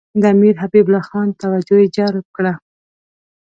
د امیر حبیب الله خان توجه یې جلب کړه.